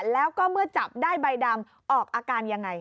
แล้วก็เมื่อจับได้ใบดำออกอาการยังไง